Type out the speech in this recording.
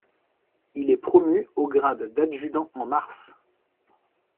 Il est promu au grade d'adjudant en mars.